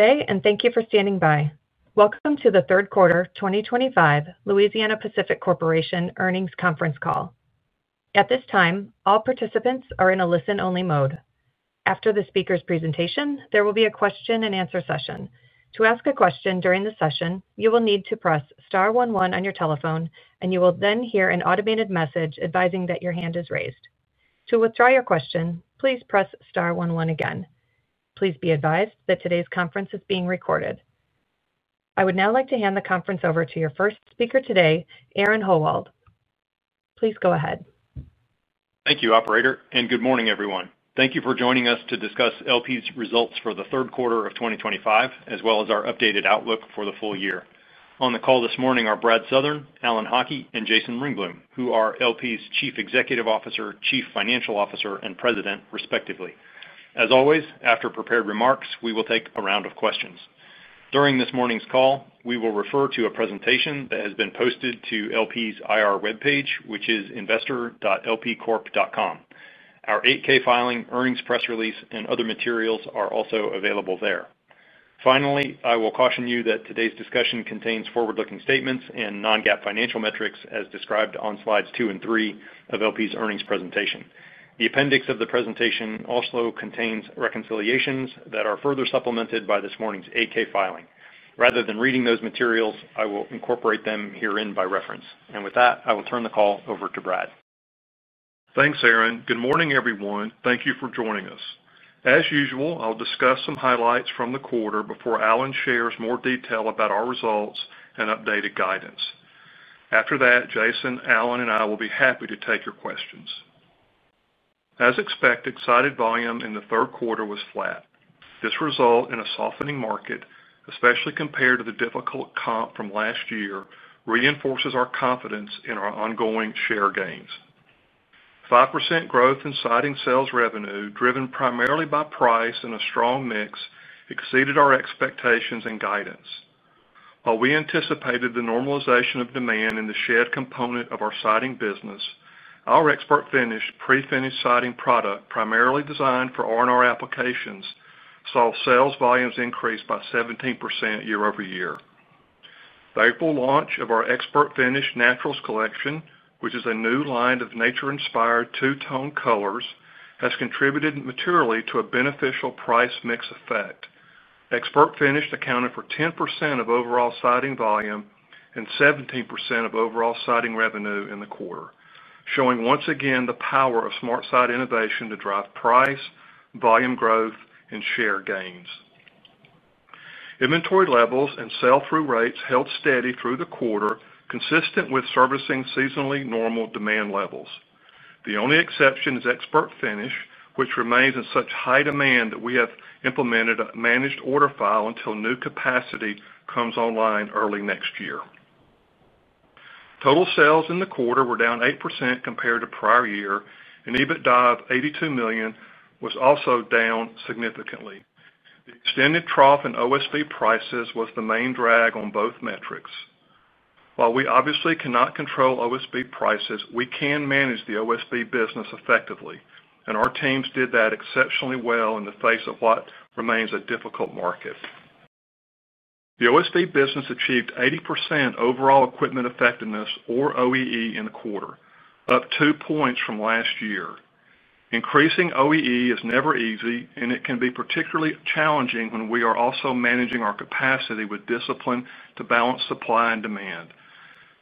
Good day, and thank you for standing by. Welcome to the Third Quarter, 2025, Louisiana-Pacific Corporation Earnings Conference Call. At this time, all participants are in a listen-only mode. After the speaker's presentation, there will be a question-and-answer session. To ask a question during the session, you will need to press star one, one on your telephone, and you will then hear an automated message advising that your hand is raised. To withdraw your question, please press star one, one again. Please be advised that today's conference is being recorded. I would now like to hand the conference over to your first speaker today, Aaron Howald. Please go ahead. Thank you, Operator, and good morning, everyone. Thank you for joining us to discuss LP's results for the third quarter of 2025, as well as our updated outlook for the full year. On the call this morning are Brad Southern, Alan Haughie, and Jason Ringblom, who are LP's Chief Executive Officer, Chief Financial Officer, and President, respectively. As always, after prepared remarks, we will take a round of questions. During this morning's call, we will refer to a presentation that has been posted to LP's IR webpage, which is investor.lpcorp.com. Our Form 8-K filing, earnings press release, and other materials are also available there. Finally, I will caution you that today's discussion contains forward-looking statements and non-GAAP financial metrics as described on slides two and three of LP's earnings presentation. The appendix of the presentation also contains reconciliations that are further supplemented by this morning's Form 8-K filing. Rather than reading those materials, I will incorporate them herein by reference. With that, I will turn the call over to Brad. Thanks, Aaron. Good morning, everyone. Thank you for joining us. As usual, I'll discuss some highlights from the quarter before Alan shares more detail about our results and updated guidance. After that, Jason, Alan, and I will be happy to take your questions. As expected, Siding volume in the third quarter was flat. This result in a softening market, especially compared to the difficult comp from last year, reinforces our confidence in our ongoing share gains. 5% growth in Siding sales revenue, driven primarily by price and a strong mix, exceeded our expectations and guidance. While we anticipated the normalization of demand in the shared component of our Siding business. Our ExpertFinish pre-finished Siding product, primarily designed for R&R applications, saw sales volumes increase by 17% year over year. The April launch of our ExpertFinish Naturals Collection, which is a new line of nature-inspired two-tone colors, has contributed materially to a beneficial price-mix effect. ExpertFinish accounted for 10% of overall Siding volume and 17% of overall Siding revenue in the quarter, showing once again the power of SmartSide innovation to drive price, volume growth, and share gains. Inventory levels and sell-through rates held steady through the quarter, consistent with servicing seasonally normal demand levels. The only exception is ExpertFinish, which remains in such high demand that we have implemented a managed order file until new capacity comes online early next year. Total sales in the quarter were down 8% compared to prior year, and EBITDA of $82 million was also down significantly. The extended trough in OSB prices was the main drag on both metrics. While we obviously cannot control OSB prices, we can manage the OSB business effectively, and our teams did that exceptionally well in the face of what remains a difficult market. The OSB business achieved 80% overall equipment effectiveness, or OEE, in the quarter, up two points from last year. Increasing OEE is never easy, and it can be particularly challenging when we are also managing our capacity with discipline to balance supply and demand.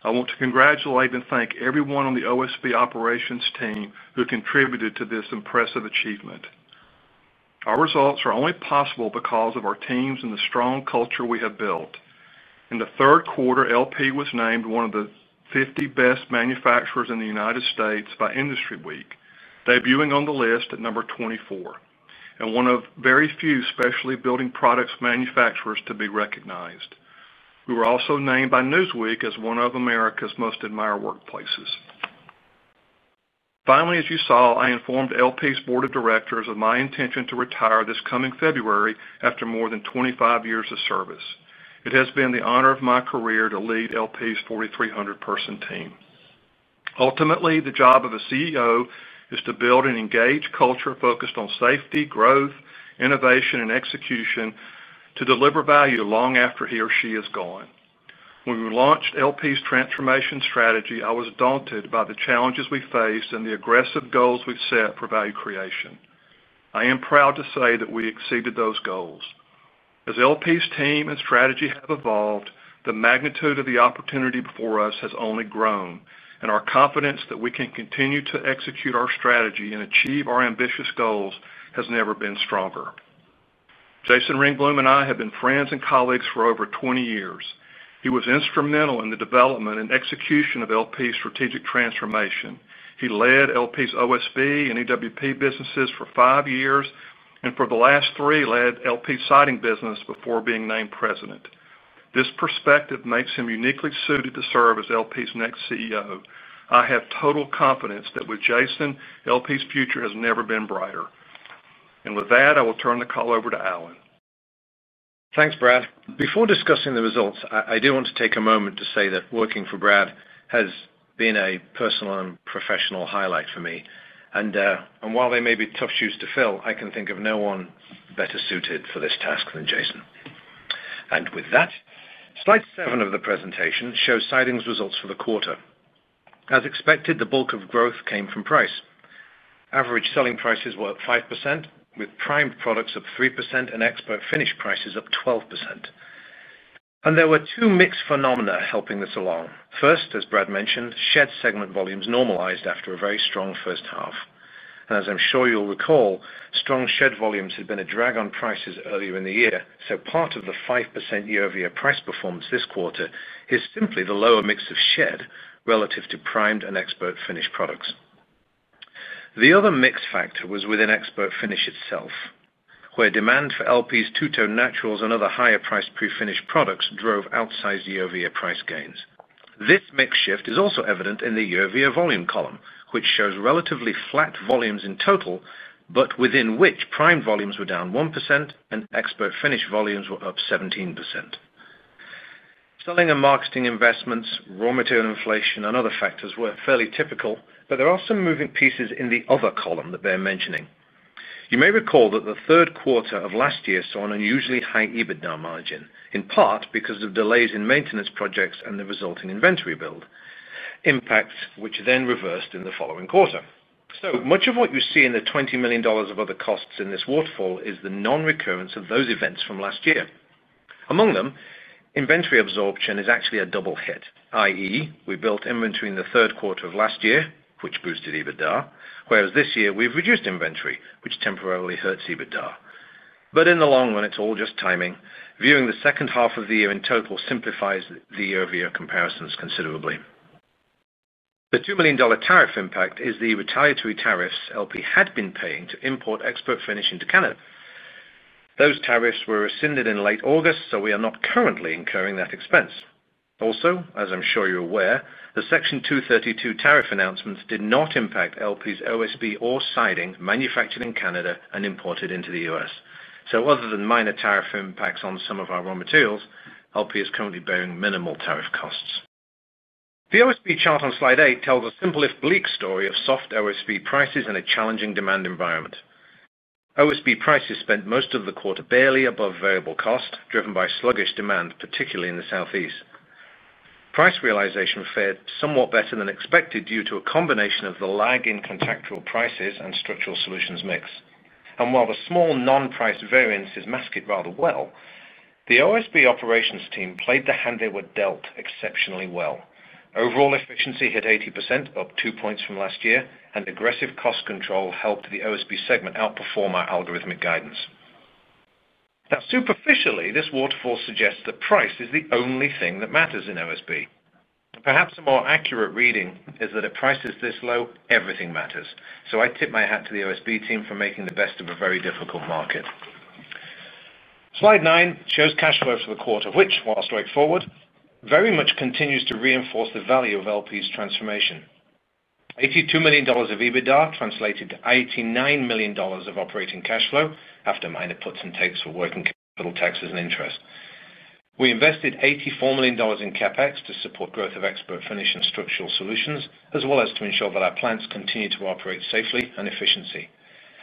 I want to congratulate and thank everyone on the OSB operations team who contributed to this impressive achievement. Our results are only possible because of our teams and the strong culture we have built. In the third quarter, LP was named one of the 50 Best Manufacturers in the United States by IndustryWeek, debuting on the list at number 24, and one of very few specially-built product manufacturers to be recognized. We were also named by Newsweek as one of America's Most Admired Workplaces. Finally, as you saw, I informed LP's Board of Directors of my intention to retire this coming February after more than 25 years of service. It has been the honor of my career to lead LP's 4,300-person team. Ultimately, the job of a CEO is to build an engaged culture focused on safety, growth, innovation, and execution to deliver value long after he or she is gone. When we launched LP's transformation strategy, I was daunted by the challenges we faced and the aggressive goals we've set for value creation. I am proud to say that we exceeded those goals. As LP's team and strategy have evolved, the magnitude of the opportunity before us has only grown, and our confidence that we can continue to execute our strategy and achieve our ambitious goals has never been stronger. Jason Ringblom and I have been friends and colleagues for over 20 years. He was instrumental in the development and execution of LP's strategic transformation. He led LP's OSB and EWP businesses for five years, and for the last three, led LP's Siding business before being named President. This perspective makes him uniquely suited to serve as LP's next CEO. I have total confidence that with Jason, LP's future has never been brighter. I will turn the call over to Alan. Thanks, Brad. Before discussing the results, I do want to take a moment to say that working for Brad has been a personal and professional highlight for me. While they may be tough shoes to fill, I can think of no one better suited for this task than Jason. With that, slide seven of the presentation shows Siding's results for the quarter. As expected, the bulk of growth came from price. Average selling prices were up 5%, with prime products up 3% and ExpertFinish prices up 12%. There were two mixed phenomena helping this along. First, as Brad mentioned, shed segment volumes normalized after a very strong first half. As I am sure you will recall, strong shed volumes had been a drag on prices earlier in the year. Part of the 5% year-over-year price performance this quarter is simply the lower mix of shed relative to primed and ExpertFinish products. The other mix factor was within ExpertFinish itself, where demand for LP's two-tone Naturals and other higher-priced pre-finished products drove outsized year-over-year price gains. This mix shift is also evident in the year-over-year volume column, which shows relatively flat volumes in total, but within which primed volumes were down 1% and ExpertFinish volumes were up 17%. Selling and marketing investments, raw material inflation, and other factors were fairly typical, but there are some moving pieces in the other column that they are mentioning. You may recall that the third quarter of last year saw an unusually high EBITDA margin, in part because of delays in maintenance projects and the resulting inventory build impact, which then reversed in the following quarter. So much of what you see in the $20 million of other costs in this waterfall is the non-recurrence of those events from last year. Among them, inventory absorption is actually a double hit, i.e., we built inventory in the third quarter of last year, which boosted EBITDA, whereas this year we've reduced inventory, which temporarily hurts EBITDA. In the long run, it's all just timing. Viewing the second half of the year in total simplifies the year-over-year comparisons considerably. The $2 million tariff impact is the retaliatory tariffs LP had been paying to import ExpertFinish into Canada. Those tariffs were rescinded in late August, so we are not currently incurring that expense. Also, as I'm sure you're aware, the Section 232 tariff announcements did not impact LP's OSB or Siding manufactured in Canada and imported into the U.S. Other than minor tariff impacts on some of our raw materials, LP is currently bearing minimal tariff costs. The OSB chart on slide eight tells a simple, if bleak, story of soft OSB prices and a challenging demand environment. OSB prices spent most of the quarter barely above variable cost, driven by sluggish demand, particularly in the Southeast. Price realization fared somewhat better than expected due to a combination of the lag in contractual prices and Structural Solutions mix. While the small non-price variance is masked rather well, the OSB operations team played the hand they were dealt exceptionally well. Overall efficiency hit 80%, up two points from last year, and aggressive cost control helped the OSB segment outperform our algorithmic guidance. Superficially, this waterfall suggests that price is the only thing that matters in OSB. Perhaps a more accurate reading is that at prices this low, everything matters. I tip my hat to the OSB team for making the best of a very difficult market. Slide nine shows cash flow for the quarter, which, whilst straightforward, very much continues to reinforce the value of LP's transformation. $82 million of EBITDA translated to $89 million of operating cash flow after minor puts and takes for working capital, taxes, and interest. We invested $84 million in CapEx to support growth of ExpertFinish and Structural Solutions, as well as to ensure that our plants continue to operate safely and efficiently.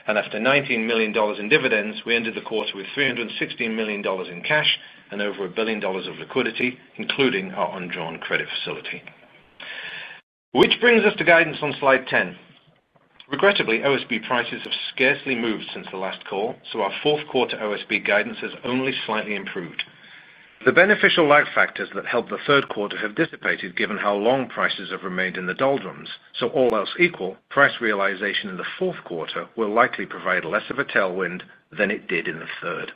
After $19 million in dividends, we ended the quarter with $316 million in cash and over a billion dollars of liquidity, including our undrawn credit facility. This brings us to guidance on slide 10. Regrettably, OSB prices have scarcely moved since the last call, so our fourth quarter OSB guidance has only slightly improved. The beneficial lag factors that helped the third quarter have dissipated, given how long prices have remained in the doldrums. All else equal, price realization in the fourth quarter will likely provide less of a tailwind than it did in the third.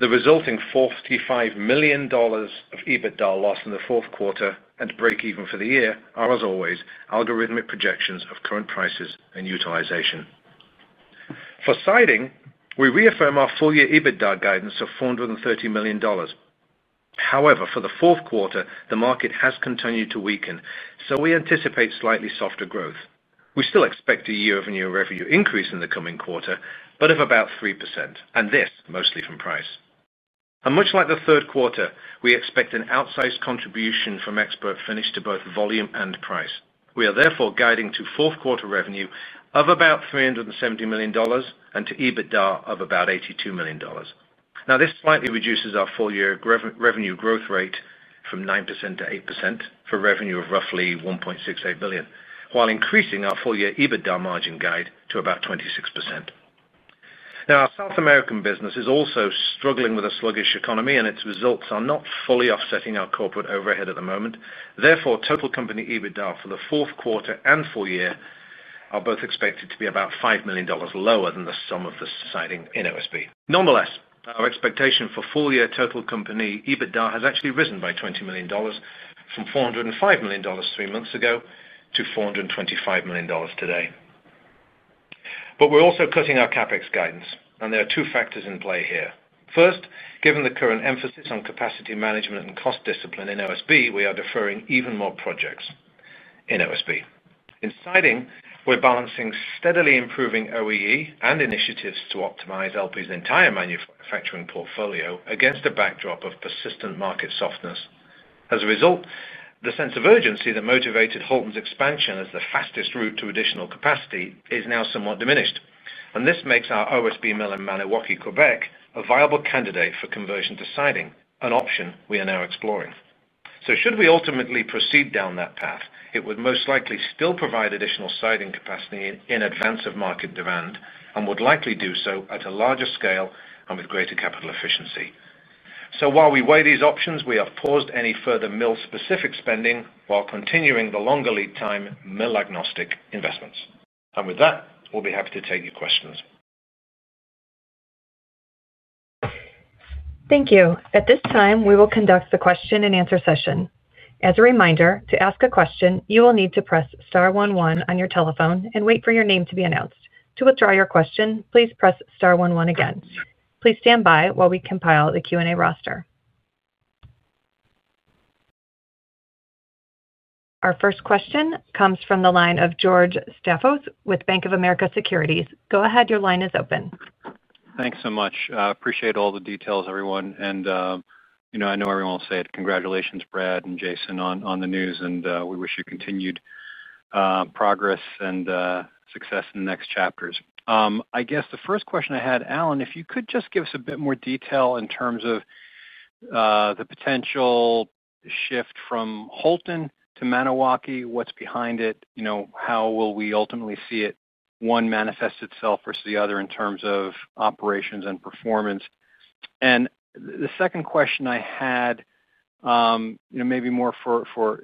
The resulting $45 million of EBITDA loss in the fourth quarter and break even for the year are, as always, algorithmic projections of current prices and utilization. For Siding, we reaffirm our full-year EBITDA guidance of $430 million. However, for the fourth quarter, the market has continued to weaken, so we anticipate slightly softer growth. We still expect a year-over-year revenue increase in the coming quarter, but of about 3%, and this mostly from price. Much like the third quarter, we expect an outsized contribution from ExpertFinish to both volume and price. We are therefore guiding to fourth quarter revenue of about $370 million and to EBITDA of about $82 million. This slightly reduces our full-year revenue growth rate from 9% to 8% for revenue of roughly $1.68 billion, while increasing our full-year EBITDA margin guide to about 26%. Our South American business is also struggling with a sluggish economy, and its results are not fully offsetting our corporate overhead at the moment. Therefore, total company EBITDA for the fourth quarter and full year are both expected to be about $5 million lower than the sum of the Siding and OSB. Nonetheless, our expectation for full-year total company EBITDA has actually risen by $20 million from $405 million three months ago to $425 million today. We're also cutting our CapEx guidance, and there are two factors in play here. First, given the current emphasis on capacity management and cost discipline in OSB, we are deferring even more projects in OSB. In Siding, we're balancing steadily improving OEE and initiatives to optimize LP's entire manufacturing portfolio against a backdrop of persistent market softness. As a result, the sense of urgency that motivated Houlton's expansion as the fastest route to additional capacity is now somewhat diminished. This makes our OSB mill in Maniwaki, Quebec, a viable candidate for conversion to Siding, an option we are now exploring. Should we ultimately proceed down that path, it would most likely still provide additional Siding capacity in advance of market demand and would likely do so at a larger scale and with greater capital efficiency. While we weigh these options, we have paused any further mill-specific spending while continuing the longer lead time mill-agnostic investments. And with that, we'll be happy to take your questions. Thank you. At this time, we will conduct the question-and-answer session. As a reminder, to ask a question, you will need to press star one, one on your telephone and wait for your name to be announced. To withdraw your question, please press star one, one again. Please stand by while we compile the Q&A roster. Our first question comes from the line of George Staphos with Bank of America Securities. Go ahead. Your line is open. Thanks so much. Appreciate all the details, everyone. I know everyone will say it. Congratulations, Brad and Jason, on the news, and we wish you continued progress and success in the next chapters. I guess the first question I had, Alan, if you could just give us a bit more detail in terms of the potential shift from Houlton to Maniwaki, what's behind it, how will we ultimately see it manifest itself versus the other in terms of operations and performance? The second question I had, maybe more for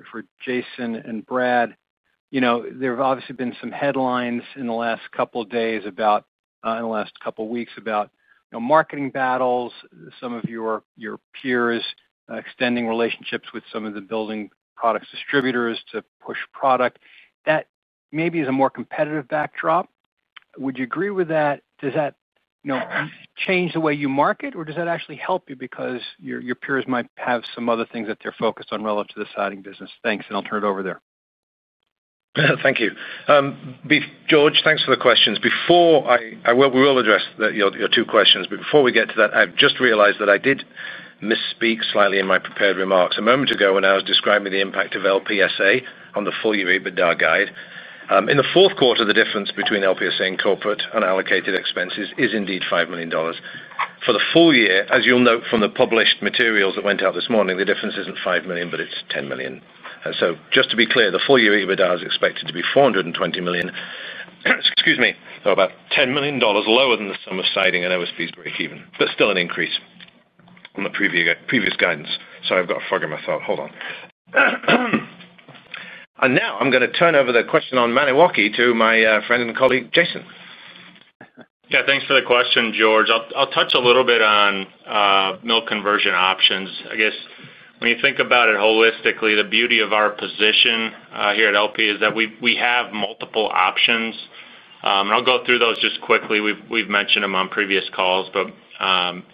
Jason and Brad, there have obviously been some headlines in the last couple of days, in the last couple of weeks, about marketing battles, some of your peers extending relationships with some of the building products distributors to push product. That maybe is a more competitive backdrop. Would you agree with that? Does that change the way you market, or does that actually help you because your peers might have some other things that they're focused on relative to the Siding business? Thanks. I will turn it over there. Thank you. George, thanks for the questions. We will address your two questions. Before we get to that, I've just realized that I did misspeak slightly in my prepared remarks a moment ago when I was describing the impact of LPSA on the full-year EBITDA guide. In the fourth quarter, the difference between LPSA and corporate unallocated expenses is indeed $5 million. For the full year, as you'll note from the published materials that went out this morning, the difference isn't $5 million, but it's $10 million. Just to be clear, the full-year EBITDA is expected to be $420 million. Excuse me. About $10 million lower than the sum of Siding and OSB's break-even, but still an increase on the previous guidance. Sorry, I've got a fog in my throat. Hold on. I'm going to turn over the question on Maniwaki to my friend and colleague, Jason. Yeah, thanks for the question, George. I'll touch a little bit on mill conversion options. I guess when you think about it holistically, the beauty of our position here at LP is that we have multiple options. I'll go through those just quickly. We've mentioned them on previous calls, but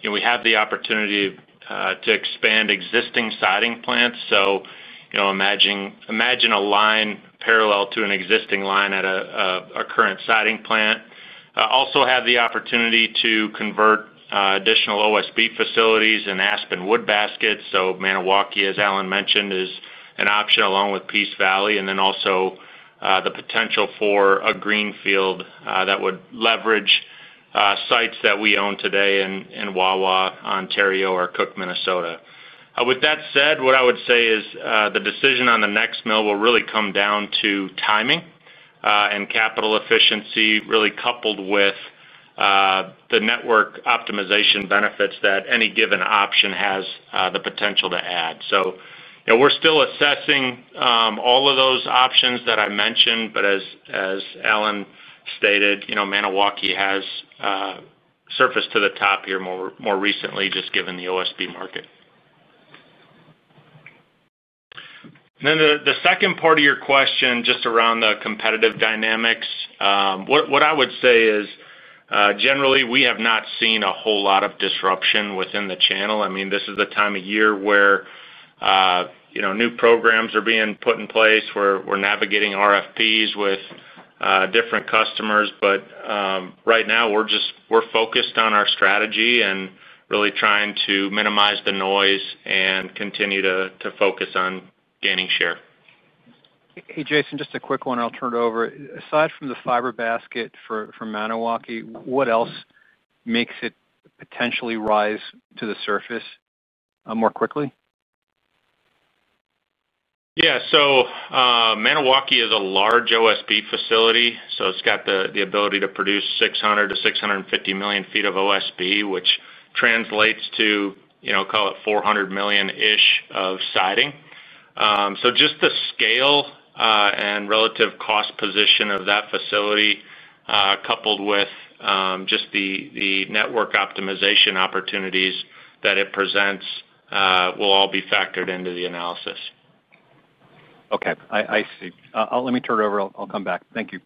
we have the opportunity to expand existing Siding plants. Imagine a line parallel to an existing line at a current Siding plant. We also have the opportunity to convert additional OSB facilities and aspen wood baskets. Maniwaki, as Alan mentioned, is an option along with Peace Valley. There is also the potential for a greenfield that would leverage sites that we own today in Wawa, Ontario, or Cook, Minnesota. With that said, what I would say is the decision on the next mill will really come down to timing and capital efficiency, really coupled with. The network optimization benefits that any given option has the potential to add. We are still assessing all of those options that I mentioned, but as Alan stated, Maniwaki has surfaced to the top here more recently, just given the OSB market. The second part of your question, just around the competitive dynamics, what I would say is, generally, we have not seen a whole lot of disruption within the channel. I mean, this is the time of year where new programs are being put in place, where we are navigating RFPs with different customers. Right now, we are focused on our strategy and really trying to minimize the noise and continue to focus on gaining share. Hey, Jason, just a quick one. I'll turn it over. Aside from the fiber basket for Maniwaki, what else makes it potentially rise to the surface more quickly? Yeah. Maniwaki is a large OSB facility. It has the ability to produce 600 million-650 million feet of OSB, which translates to, call it, $400 million-ish of Siding. Just the scale and relative cost position of that facility, coupled with the network optimization opportunities that it presents, will all be factored into the analysis. Okay. I see. Let me turn it over. I'll come back. Thank you.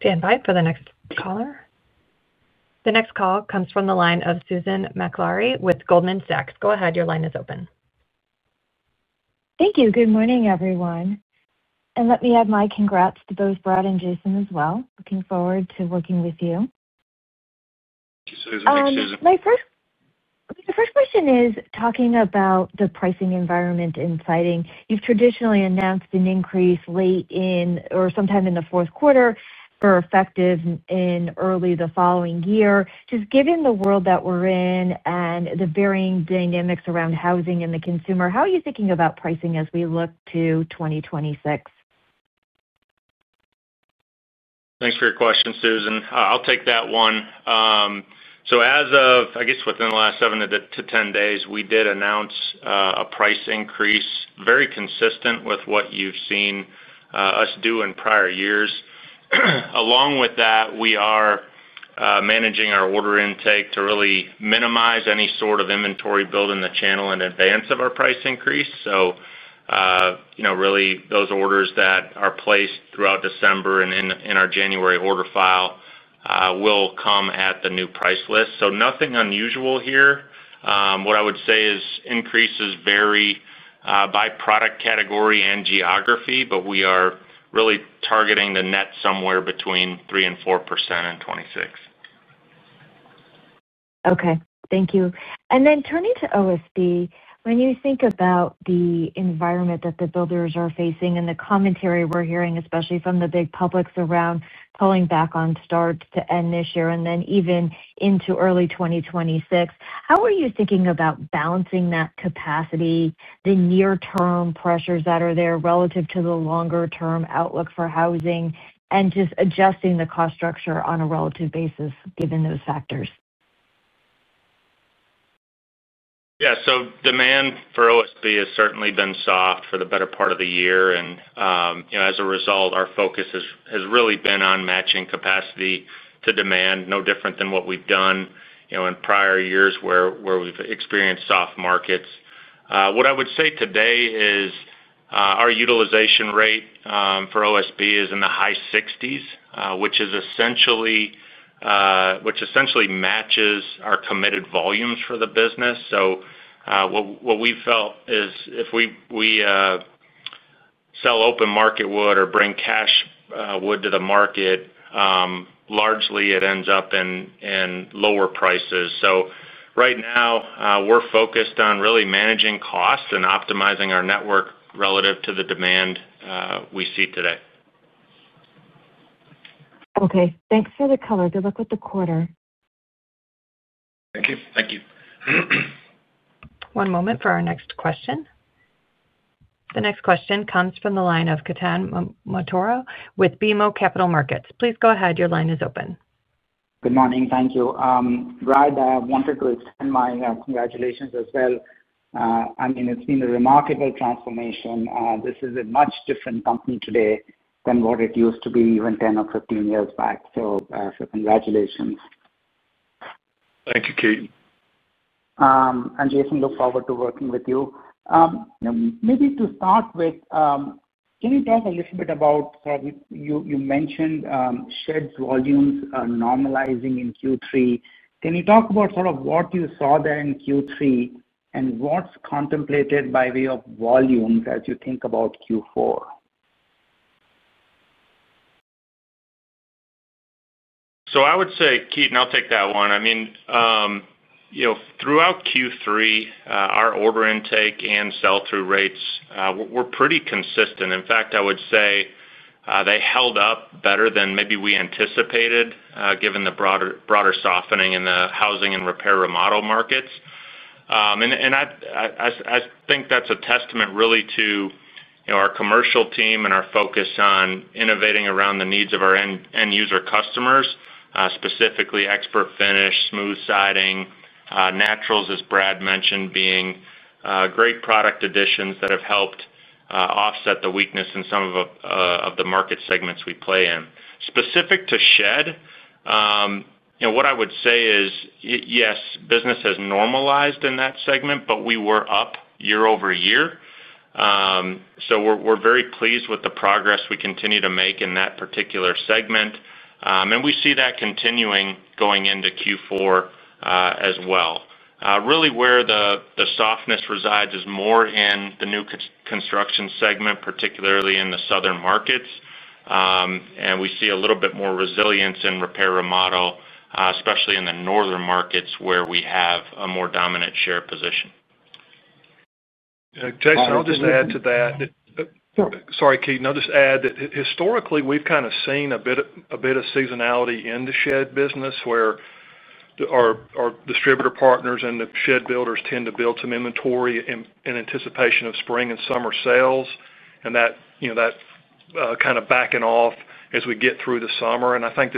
Stand by for the next caller. The next call comes from the line of Susan Maklari with Goldman Sachs. Go ahead. Your line is open. Thank you. Good morning, everyone. Let me add my congrats to both Brad and Jason as well. Looking forward to working with you. Thank you, Susan. My first question is talking about the pricing environment in Siding. You've traditionally announced an increase late in or sometime in the fourth quarter for effective in early the following year. Just given the world that we're in and the varying dynamics around housing and the consumer, how are you thinking about pricing as we look to 2026? Thanks for your question, Susan. I'll take that one. As of, I guess, within the last seven to ten days, we did announce a price increase very consistent with what you've seen us do in prior years. Along with that, we are managing our order intake to really minimize any sort of inventory build in the channel in advance of our price increase. Really, those orders that are placed throughout December and in our January order file will come at the new price list. Nothing unusual here. What I would say is increases vary by product category and geography, but we are really targeting the net somewhere between 3% and 4% in 2026. Okay. Thank you. Turning to OSB, when you think about the environment that the builders are facing and the commentary we are hearing, especially from the big publics around pulling back on starts to end this year and then even into early 2026, how are you thinking about balancing that capacity, the near-term pressures that are there relative to the longer-term outlook for housing, and just adjusting the cost structure on a relative basis given those factors? Yeah. Demand for OSB has certainly been soft for the better part of the year. As a result, our focus has really been on matching capacity to demand, no different than what we've done in prior years where we've experienced soft markets. What I would say today is our utilization rate for OSB is in the high 60%, which essentially matches our committed volumes for the business. What we felt is if we sell open market wood or bring cash wood to the market, largely, it ends up in lower prices. Right now, we're focused on really managing costs and optimizing our network relative to the demand we see today. Okay. Thanks for the color. Good luck with the quarter. Thank you. Thank you. One moment for our next question. The next question comes from the line of Ketan Mamtora with BMO Capital Markets. Please go ahead. Your line is open. Good morning. Thank you. Brad, I wanted to extend my congratulations as well. I mean, it's been a remarkable transformation. This is a much different company today than what it used to be even 10 or 15 years back. So congratulations. Thank you, Ketan. Jason, look forward to working with you. Maybe to start with, can you talk a little bit about, you mentioned shed volumes are normalizing in Q3. Can you talk about sort of what you saw there in Q3 and what's contemplated by way of volumes as you think about Q4? I would say, Ketan, and I'll take that one. I mean, throughout Q3, our order intake and sell-through rates were pretty consistent. In fact, I would say they held up better than maybe we anticipated given the broader softening in the housing and repair remodel markets. I think that's a testament really to our commercial team and our focus on innovating around the needs of our end-user customers, specifically ExpertFinish, smooth Siding, Naturals, as Brad mentioned, being great product additions that have helped offset the weakness in some of the market segments we play in. Specific to shed, what I would say is, yes, business has normalized in that segment, but we were up year over year. We are very pleased with the progress we continue to make in that particular segment, and we see that continuing going into Q4 as well. Really, where the softness resides is more in the new construction segment, particularly in the southern markets. We see a little bit more resilience in repair remodel, especially in the northern markets where we have a more dominant share position. Jason, I'll just add to that. Sorry, Ketan. I'll just add that historically, we've kind of seen a bit of seasonality in the shed business where our distributor partners and the shed builders tend to build some inventory in anticipation of spring and summer sales. That kind of backs off as we get through the summer. I think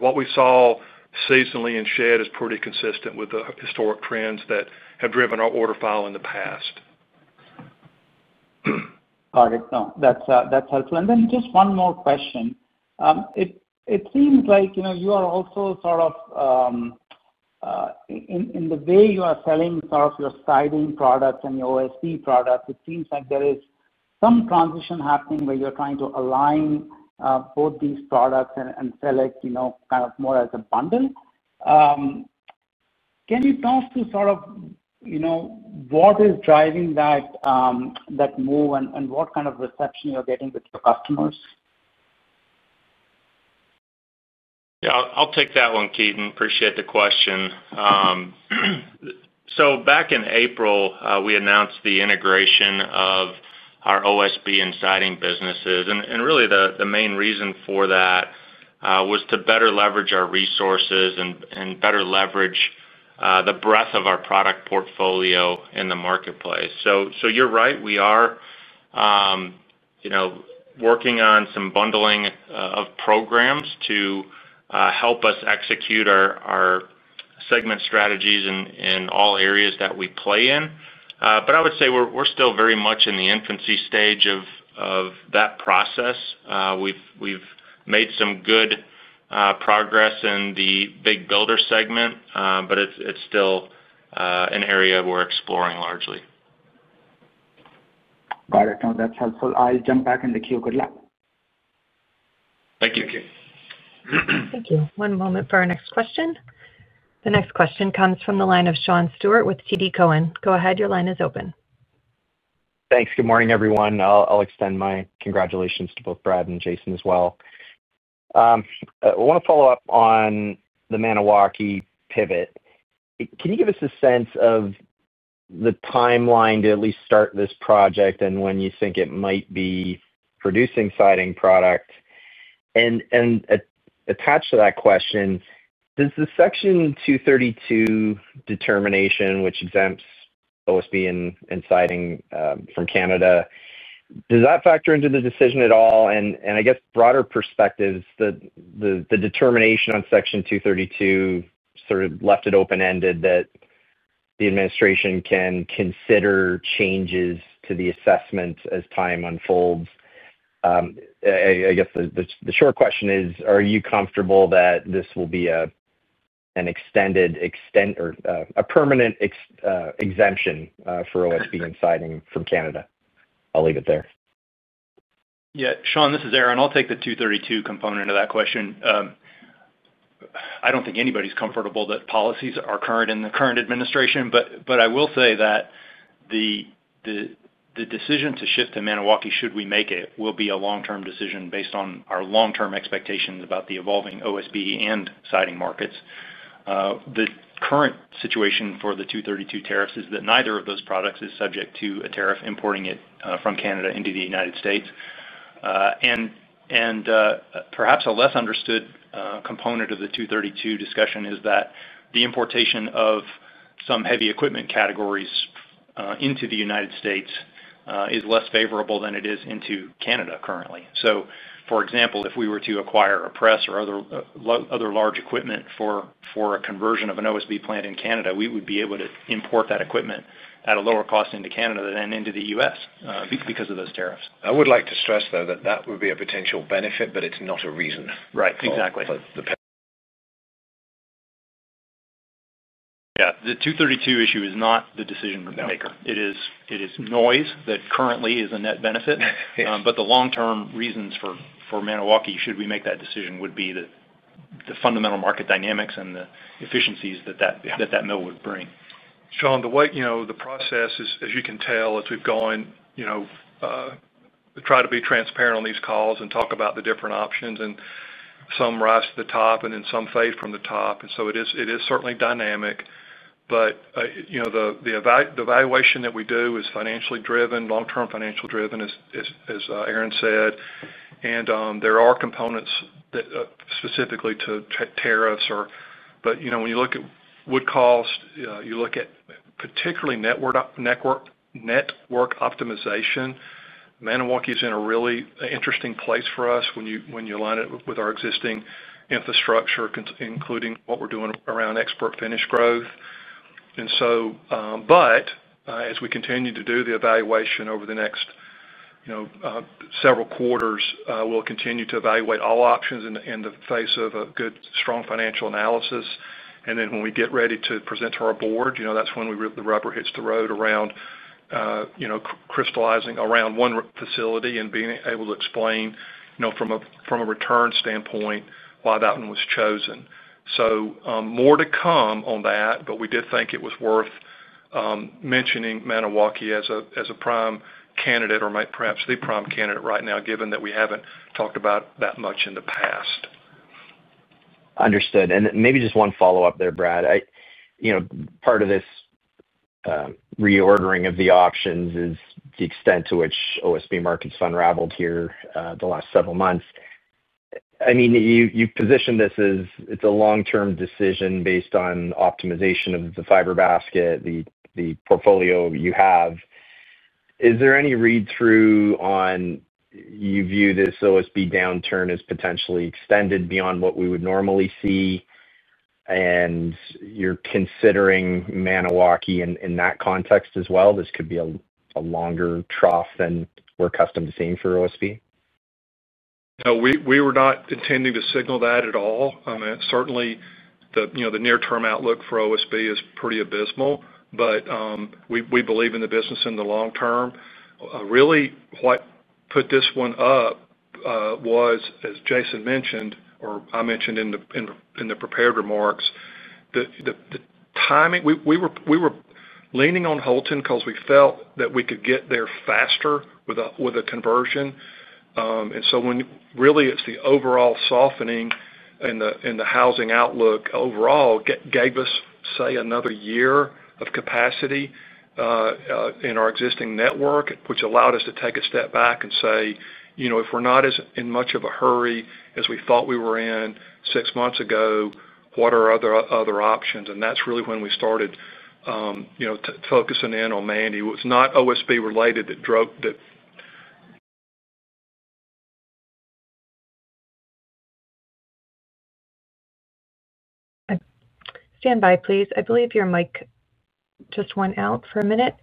what we saw seasonally in shed is pretty consistent with the historic trends that have driven our order file in the past. Got it. No, that's helpful. And then just one more question. It seems like you are also sort of, in the way you are selling sort of your Siding products and your OSB products, it seems like there is some transition happening where you're trying to align both these products and sell it kind of more as a bundle. Can you talk to sort of what is driving that move and what kind of reception you're getting with your customers? Yeah. I'll take that one, Ketan. I appreciate the question. Back in April, we announced the integration of our OSB and Siding businesses. The main reason for that was to better leverage our resources and better leverage the breadth of our product portfolio in the marketplace. You're right. We are working on some bundling of programs to help us execute our segment strategies in all areas that we play in. I would say we're still very much in the infancy stage of that process. We've made some good progress in the big builder segment, but it's still an area we're exploring largely. Got it. No, that's helpful. I'll jump back in the queue. Good luck. Thank you, Ketan. Thank you. One moment for our next question. The next question comes from the line of Sean Steuart with TD Cowen. Go ahead. Your line is open. Thanks. Good morning, everyone. I'll extend my congratulations to both Brad and Jason as well. I want to follow up on the Maniwaki pivot. Can you give us a sense of the timeline to at least start this project and when you think it might be producing Siding product? Attached to that question, does the Section 232 determination, which exempts OSB and Siding from Canada, does that factor into the decision at all? I guess broader perspectives, the determination on Section 232 sort of left it open-ended that the administration can consider changes to the assessment as time unfolds. I guess the short question is, are you comfortable that this will be a permanent exemption for OSB and Siding from Canada? I'll leave it there. Yeah. Sean, this is Aaron. I'll take the 232 component of that question. I don't think anybody's comfortable that policies are current in the current administration, but I will say that the decision to shift to Maniwaki, should we make it, will be a long-term decision based on our long-term expectations about the evolving OSB and Siding markets. The current situation for the 232 tariffs is that neither of those products is subject to a tariff importing it from Canada into the United States. Perhaps a less understood component of the 232 discussion is that the importation of some heavy equipment categories into the United States is less favorable than it is into Canada currently. For example, if we were to acquire a press or other. Large equipment for a conversion of an OSB plant in Canada, we would be able to import that equipment at a lower cost into Canada than into the U.S. because of those tariffs. I would like to stress, though, that that would be a potential benefit, but it's not a reason. Right. Exactly. Yeah. The 232 issue is not the decision maker. It is noise that currently is a net benefit. The long-term reasons for Maniwaki, should we make that decision, would be the fundamental market dynamics and the efficiencies that that mill would bring. Sean, the process, as you can tell, as we've gone and tried to be transparent on these calls and talk about the different options and some rise to the top and then some fade from the top. It is certainly dynamic. The evaluation that we do is financially driven, long-term financially driven, as Aaron said. There are components specifically to tariffs. When you look at wood cost, you look at particularly network optimization, Maniwaki is in a really interesting place for us when you align it with our existing infrastructure, including what we're doing around ExpertFinish growth. As we continue to do the evaluation over the next several quarters, we'll continue to evaluate all options in the face of a good, strong financial analysis. When we get ready to present to our board, that's when the rubber hits the road around. Crystallizing around one facility and being able to explain from a return standpoint why that one was chosen. More to come on that, but we did think it was worth mentioning Maniwaki as a prime candidate or perhaps the prime candidate right now, given that we have not talked about that much in the past. Understood. Maybe just one follow-up there, Brad. Part of this reordering of the options is the extent to which OSB markets have unraveled here the last several months. I mean, you position this as it's a long-term decision based on optimization of the fiber basket, the portfolio you have. Is there any read-through on, you view this OSB downturn as potentially extended beyond what we would normally see? You're considering Maniwaki in that context as well? This could be a longer trough than we're accustomed to seeing for OSB. No, we were not intending to signal that at all. Certainly, the near-term outlook for OSB is pretty abysmal, but we believe in the business in the long term. Really, what put this one up was, as Jason mentioned or I mentioned in the prepared remarks, the timing. We were leaning on Houlton because we felt that we could get there faster with a conversion. Really, it is the overall softening in the housing outlook overall gave us, say, another year of capacity in our existing network, which allowed us to take a step back and say, "If we're not in as much of a hurry as we thought we were in six months ago, what are other options?" That is really when we started focusing in on Maniwaki. It was not OSB related that drove that. Stand by, please. I believe your mic just went out for a minute.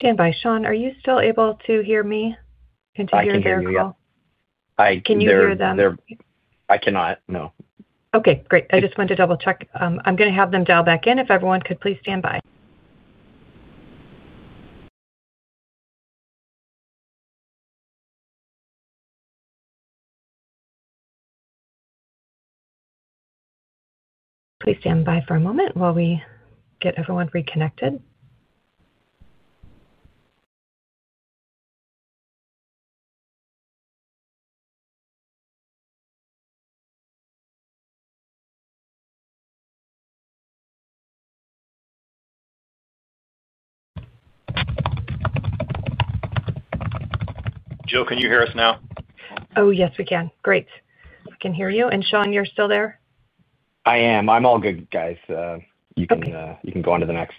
Stand by. Sean, are you still able to hear me? Can you hear you? I can hear you. Can you hear them? I cannot. No. Okay. Great. I just wanted to double-check. I'm going to have them dial back in. If everyone could please stand by. Please stand by for a moment while we get everyone reconnected. Jill, can you hear us now? Oh, yes, we can. Great. We can hear you. Sean, you're still there? I am. I'm all good, guys. You can go on to the next.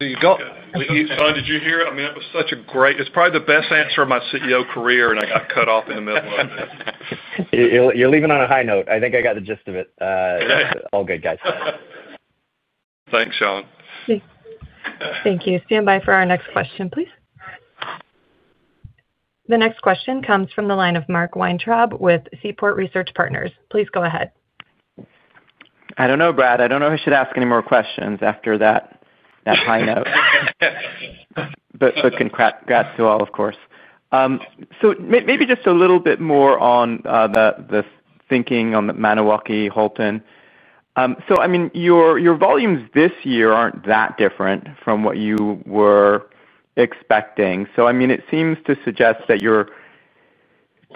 Sean, did you hear it? I mean, that was such a great, it's probably the best answer of my CEO career, and I got cut off in the middle of it. You're leaving on a high note. I think I got the gist of it. All good, guys. Thanks, Sean. Thank you. Stand by for our next question, please. The next question comes from the line of Mark Weintraub with Seaport Research Partners. Please go ahead. I don't know, Brad. I don't know who should ask any more questions after that. That high note. But congrats to all, of course. Maybe just a little bit more on the thinking on the Maniwaki, Houlton. I mean, your volumes this year aren't that different from what you were expecting. I mean, it seems to suggest that you're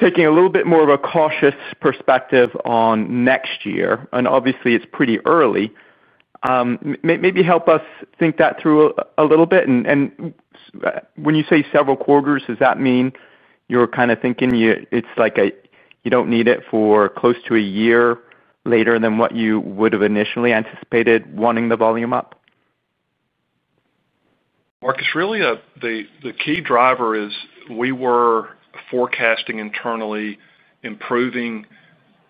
taking a little bit more of a cautious perspective on next year. Obviously, it's pretty early. Maybe help us think that through a little bit. When you say several quarters, does that mean you're kind of thinking it's like you don't need it for close to a year later than what you would have initially anticipated wanting the volume up? Mark, it's really the key driver is we were forecasting internally improving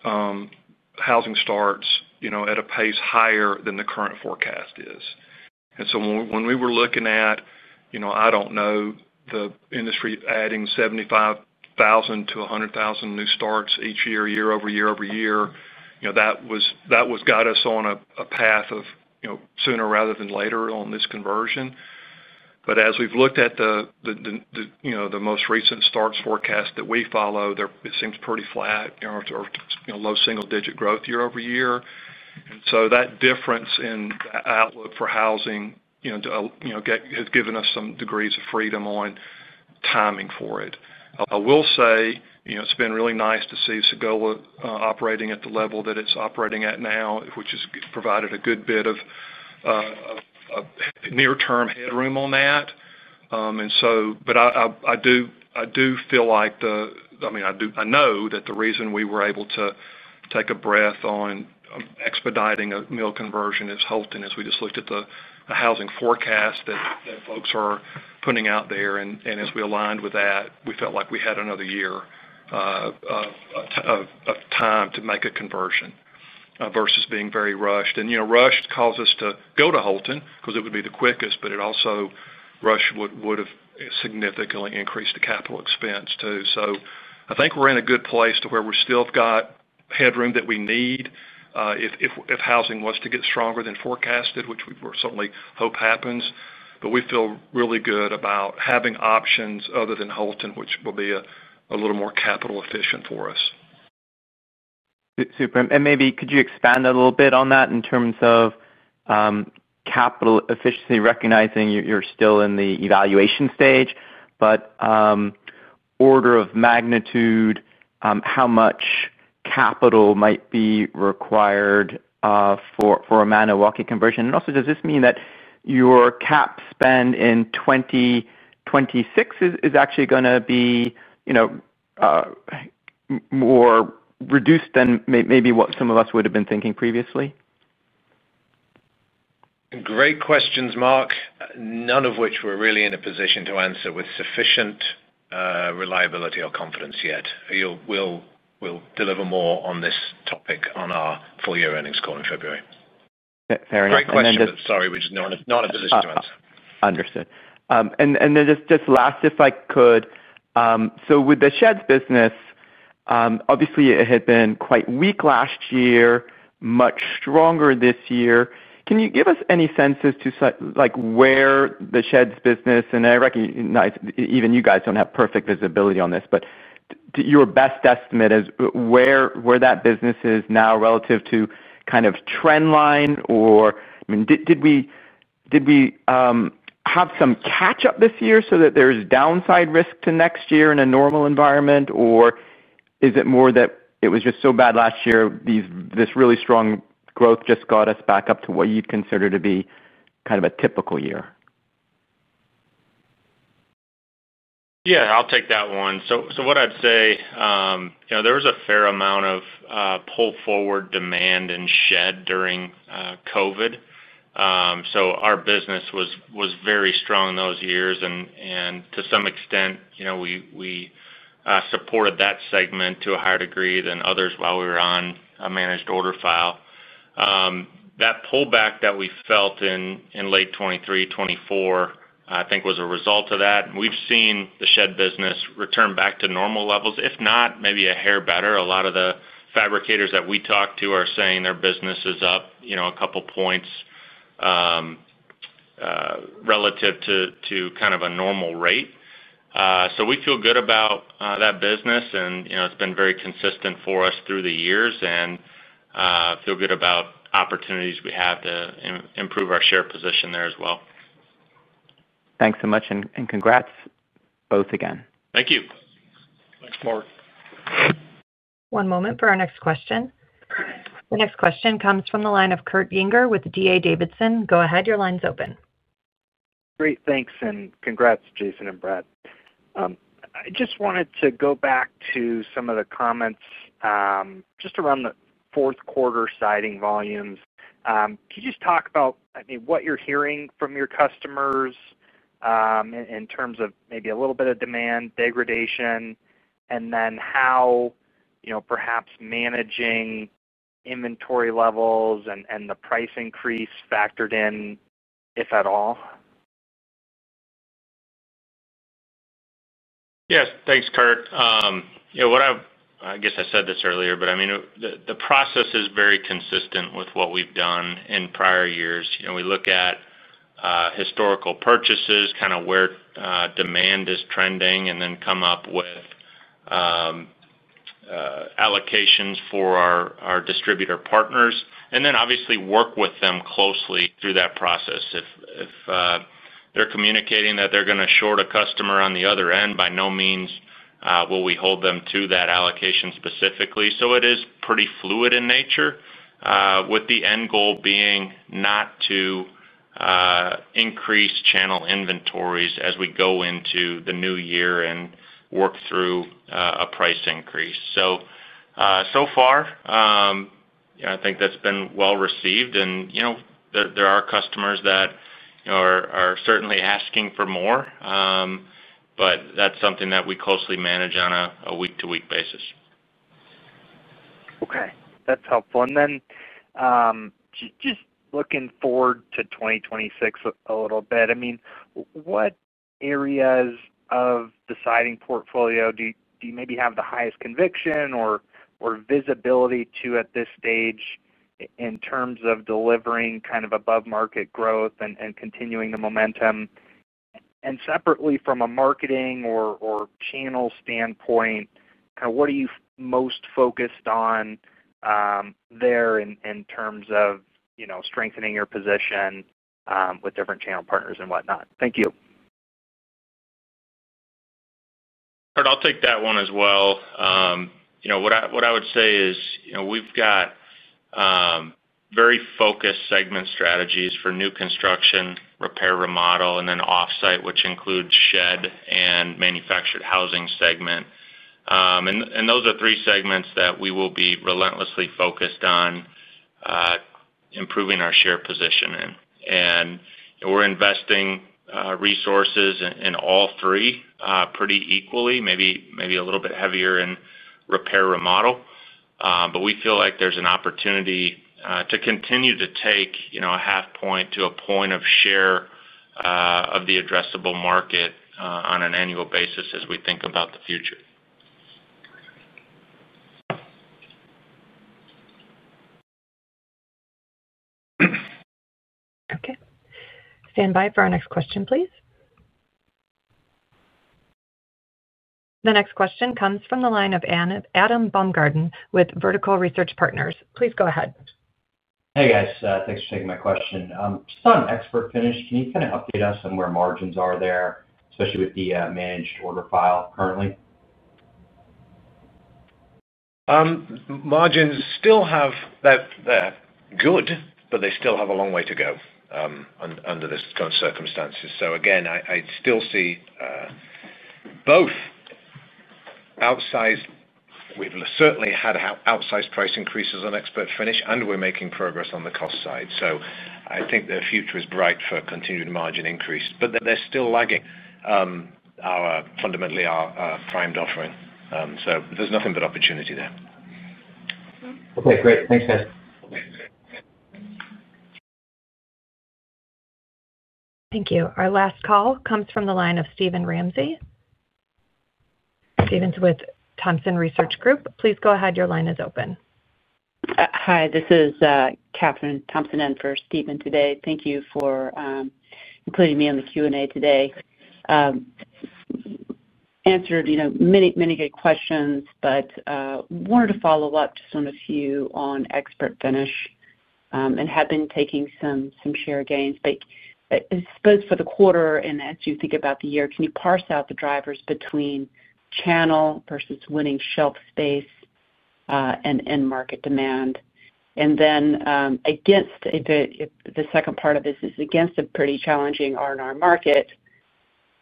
housing starts at a pace higher than the current forecast is. When we were looking at, I don't know, the industry adding 75,000-100,000 new starts each year, year over year, over year, that was what got us on a path of sooner rather than later on this conversion. As we've looked at the most recent starts forecast that we follow, it seems pretty flat or low single-digit growth year over year. That difference in the outlook for housing has given us some degrees of freedom on timing for it. I will say it's been really nice to see Segola operating at the level that it's operating at now, which has provided a good bit of near-term headroom on that. I do feel like the, I mean, I know that the reason we were able to take a breath on expediting a mill conversion is Houlton, as we just looked at the housing forecast that folks are putting out there. As we aligned with that, we felt like we had another year of time to make a conversion versus being very rushed. Rushed caused us to go to Houlton because it would be the quickest, but it also, rush would have significantly increased the capital expense too. I think we are in a good place to where we still have got headroom that we need if housing was to get stronger than forecasted, which we certainly hope happens. We feel really good about having options other than Houlton, which will be a little more capital-efficient for us. Super. Maybe could you expand a little bit on that in terms of capital efficiency, recognizing you're still in the evaluation stage. Order of magnitude, how much capital might be required for a Maniwaki conversion? Also, does this mean that your CapEx spend in 2026 is actually going to be more reduced than maybe what some of us would have been thinking previously? Great questions, Mark, none of which we're really in a position to answer with sufficient reliability or confidence yet. We'll deliver more on this topic on our full-year earnings call in February. Fair enough. Great questions. Sorry, we're just not in a position to answer. Understood. And then just last, if I could. So with the sheds business. Obviously, it had been quite weak last year, much stronger this year. Can you give us any sense as to where the sheds business, and I recognize even you guys don't have perfect visibility on this, but your best estimate is where that business is now relative to kind of trend line? I mean, did we have some catch-up this year so that there's downside risk to next year in a normal environment? Or is it more that it was just so bad last year, this really strong growth just got us back up to what you'd consider to be kind of a typical year? Yeah, I'll take that one. What I'd say is there was a fair amount of pull-forward demand in shed during COVID. Our business was very strong those years. To some extent, we supported that segment to a higher degree than others while we were on a managed order file. That pullback that we felt in late 2023, 2024, I think, was a result of that. We've seen the shed business return back to normal levels, if not maybe a hair better. A lot of the fabricators that we talk to are saying their business is up a couple of points relative to kind of a normal rate. We feel good about that business, and it's been very consistent for us through the years. I feel good about opportunities we have to improve our share position there as well. Thanks so much. Congrats both again. Thank you. Thanks, Mark. One moment for our next question. The next question comes from the line of Kurt Yinger with D.A. Davidson. Go ahead. Your line's open. Great. Thanks. Congrats, Jason and Brad. I just wanted to go back to some of the comments just around the fourth quarter Siding volumes. Can you just talk about, I mean, what you're hearing from your customers in terms of maybe a little bit of demand degradation, and then how perhaps managing inventory levels and the price increase factored in, if at all? Yes. Thanks, Kurt. I guess I said this earlier, but I mean, the process is very consistent with what we've done in prior years. We look at historical purchases, kind of where demand is trending, and then come up with allocations for our distributor partners. Then obviously work with them closely through that process. If they're communicating that they're going to short a customer on the other end, by no means will we hold them to that allocation specifically. It is pretty fluid in nature, with the end goal being not to increase channel inventories as we go into the new year and work through a price increase. So far, I think that's been well received. There are customers that are certainly asking for more, but that's something that we closely manage on a week-to-week basis. Okay. That's helpful. Just looking forward to 2026 a little bit, I mean, what areas of the Siding portfolio do you maybe have the highest conviction or visibility to at this stage in terms of delivering kind of above-market growth and continuing the momentum? Separately, from a marketing or channel standpoint, kind of what are you most focused on there in terms of strengthening your position with different channel partners and whatnot? Thank you. Kurt, I'll take that one as well. What I would say is we've got very focused segment strategies for new construction, repair, remodel, and then offsite, which includes shed and manufactured housing segment. Those are three segments that we will be relentlessly focused on, improving our share position in. We're investing resources in all three pretty equally, maybe a little bit heavier in repair, remodel. We feel like there's an opportunity to continue to take a half point to a point of share of the addressable market on an annual basis as we think about the future. Okay. Stand by for our next question, please. The next question comes from the line of Adam Baumgarten with Vertical Research Partners. Please go ahead. Hey, guys. Thanks for taking my question. Just on ExpertFinish, can you kind of update us on where margins are there, especially with the managed order file currently? Margins still have. They're good, but they still have a long way to go under this kind of circumstances. Again, I still see both. Outsized, we've certainly had outsized price increases on ExpertFinish, and we're making progress on the cost side. I think the future is bright for continued margin increase. They're still lagging fundamentally our primed offering. There's nothing but opportunity there. Okay. Great. Thanks, guys. Thank you. Our last call comes from the line of Stephen Ramsey. Stephen's with Thomson Research Group. Please go ahead. Your line is open. Hi. This is Kathryn Thompson and for Stephen today. Thank you for including me in the Q&A today. Answered many, many good questions, but wanted to follow up just on a few on ExpertFinish. And have been taking some share gains. But I suppose for the quarter and as you think about the year, can you parse out the drivers between channel versus winning shelf space and end market demand? And then against the second part of this is against a pretty challenging R&R market.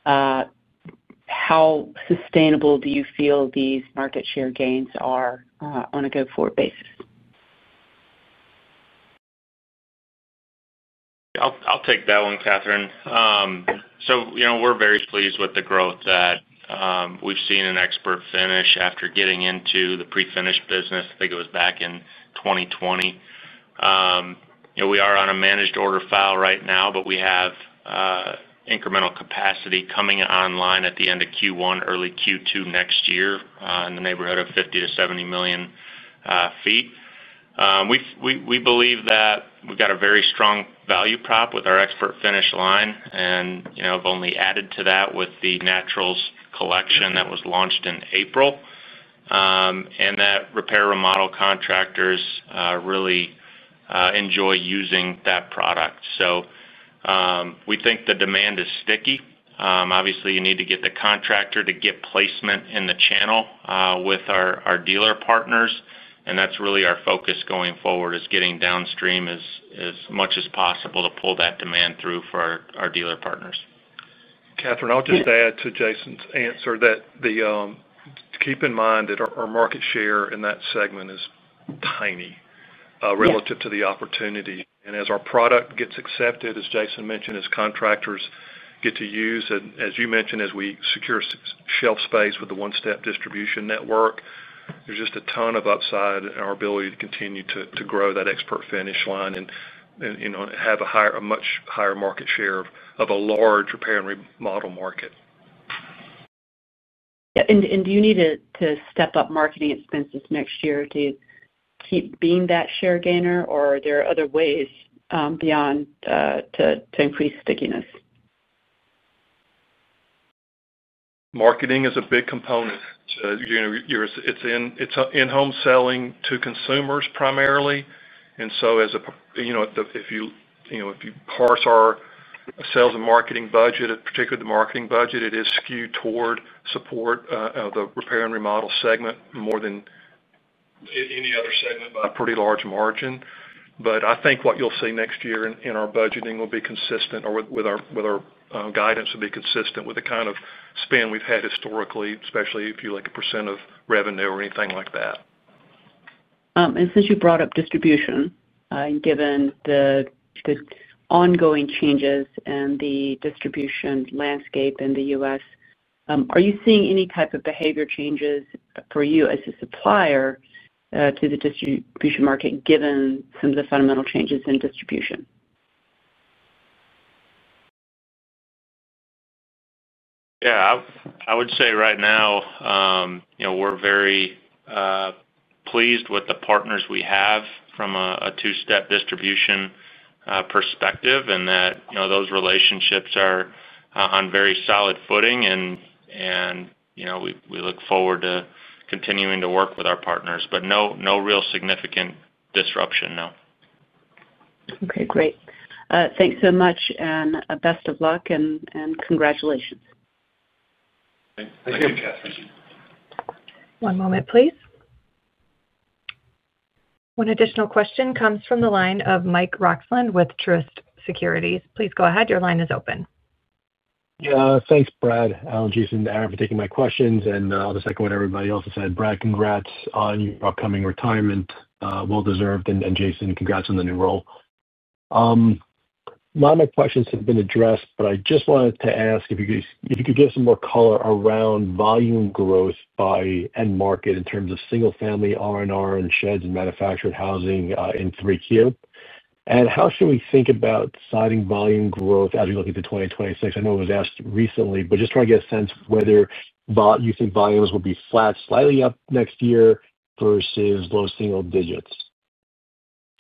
How sustainable do you feel these market share gains are on a go-forward basis? I'll take that one, Kathryn. We are very pleased with the growth that we've seen in ExpertFinish after getting into the pre-finished business. I think it was back in 2020. We are on a managed order file right now, but we have incremental capacity coming online at the end of Q1, early Q2 next year in the neighborhood of 50-70 million sq ft. We believe that we've got a very strong value prop with our ExpertFinish line. I've only added to that with the Naturals Collection that was launched in April, and that repair, remodel contractors really enjoy using that product. We think the demand is sticky. Obviously, you need to get the contractor to get placement in the channel with our dealer partners. That is really our focus going forward, getting downstream as much as possible to pull that demand through for our dealer partners. Kathryn, I'll just add to Jason's answer that. Keep in mind that our market share in that segment is tiny relative to the opportunity. As our product gets accepted, as Jason mentioned, as contractors get to use, and as you mentioned, as we secure shelf space with the one-step distribution network, there's just a ton of upside in our ability to continue to grow that ExpertFinish line and have a much higher market share of a large repair and remodel market. Yeah. Do you need to step up marketing expenses next year to keep being that share gainer, or are there other ways beyond to increase stickiness? Marketing is a big component. It's in-home selling to consumers primarily. As a, if you parse our sales and marketing budget, particularly the marketing budget, it is skewed toward support of the repair and remodel segment more than any other segment by a pretty large margin. I think what you'll see next year in our budgeting will be consistent or, with our guidance, will be consistent with the kind of spend we've had historically, especially if you look at % of revenue or anything like that. Since you brought up distribution and given the ongoing changes in the distribution landscape in the U.S., are you seeing any type of behavior changes for you as a supplier to the distribution market given some of the fundamental changes in distribution? Yeah. I would say right now we're very pleased with the partners we have from a two-step distribution perspective and that those relationships are on very solid footing. We look forward to continuing to work with our partners, but no real significant disruption, no. Okay. Great. Thanks so much and best of luck and congratulations. Thank you, Kathryn. One moment, please. One additional question comes from the line of Mike Roxland with Truist Securities. Please go ahead. Your line is open. Yeah. Thanks, Brad, Alan, and Jason for taking my questions. I'll just echo what everybody else has said. Brad, congrats on your upcoming retirement, well-deserved. Jason, congrats on the new role. A lot of my questions have been addressed, but I just wanted to ask if you could give some more color around volume growth by end market in terms of single-family R&R and sheds and manufactured housing in 3Q. How should we think about siding volume growth as we look into 2026? I know it was asked recently, but just trying to get a sense of whether you think volumes will be flat, slightly up next year versus low single digits.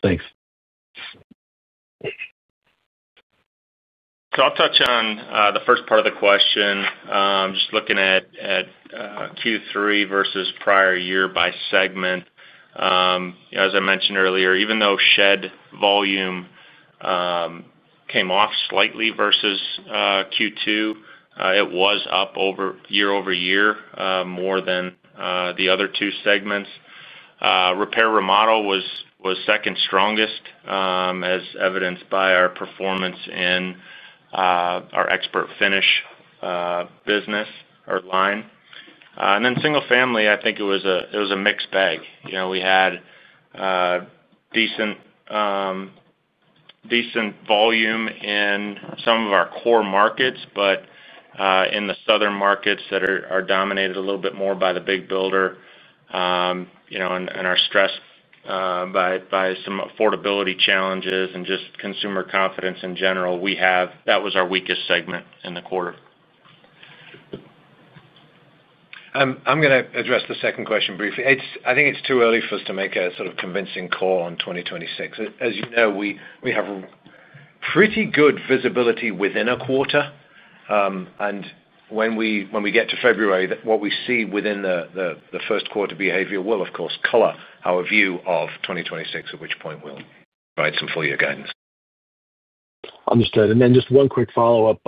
Thanks. I'll touch on the first part of the question. Just looking at Q3 versus prior year by segment. As I mentioned earlier, even though shed volume came off slightly versus Q2, it was up year-over-year more than the other two segments. Repair, remodel was second strongest, as evidenced by our performance in our ExpertFinish business or line. Single-family, I think it was a mixed bag. We had decent volume in some of our core markets, but in the southern markets that are dominated a little bit more by the big builder and are stressed by some affordability challenges and just consumer confidence in general, that was our weakest segment in the quarter. I'm going to address the second question briefly. I think it's too early for us to make a sort of convincing call on 2026. As you know, we have pretty good visibility within a quarter. When we get to February, what we see within the first quarter behavior will, of course, color our view of 2026, at which point we'll provide some full year guidance. Understood. One quick follow-up.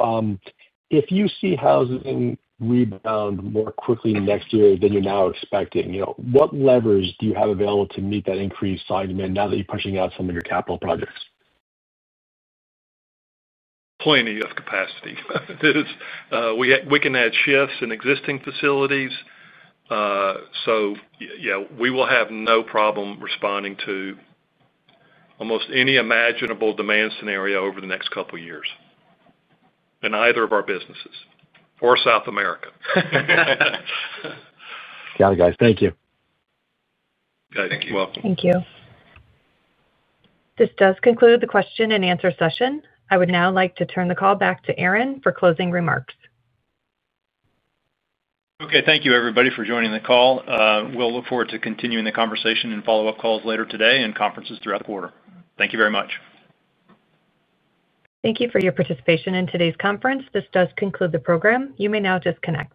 If you see housing rebound more quickly next year than you're now expecting, what levers do you have available to meet that increased Siding demand now that you're pushing out some of your capital projects? Plenty of capacity. We can add shifts in existing facilities. We will have no problem responding to almost any imaginable demand scenario over the next couple of years in either of our businesses or South America. Got it, guys. Thank you. Okay. Thank you. You're welcome. Thank you. This does conclude the question and answer session. I would now like to turn the call back to Aaron for closing remarks. Okay. Thank you, everybody, for joining the call. We'll look forward to continuing the conversation and follow-up calls later today and conferences throughout the quarter. Thank you very much. Thank you for your participation in today's conference. This does conclude the program. You may now disconnect.